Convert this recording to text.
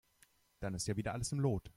Dann ist ja wieder alles im Lot.